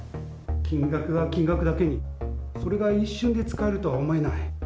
金額が金額だけに、それが一瞬で使えるとは思えない。